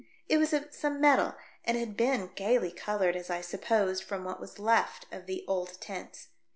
It was of some metal and had been gaily coloured as I supposed from what was left of the old tints.